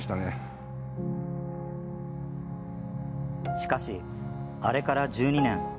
しかし、あれから１２年。